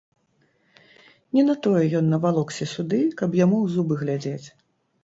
Не на тое ён навалокся сюды, каб яму ў зубы глядзець.